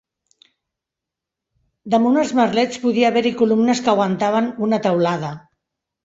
Damunt els merlets podia haver-hi columnes que aguantaven una teulada.